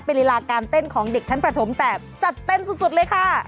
เป็นลีลาการเต้นของเด็กชั้นประถมแบบจัดเต็มสุดเลยค่ะ